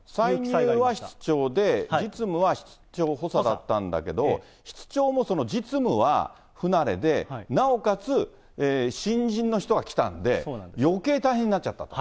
歳入は室長で、実務は室長補佐だったんだけれども、室長も実務は不慣れで、なおかつ新人の人が来たんで、よけい大変になっちゃったと。